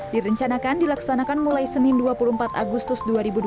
direncanakan dilaksanakan mulai senin dua puluh empat agustus dua ribu dua puluh